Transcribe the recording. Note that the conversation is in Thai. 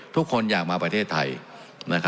ทุกคนอยากมาประเทศไทย